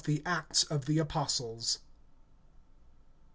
THE ACTS OF THE APOSTLES. I.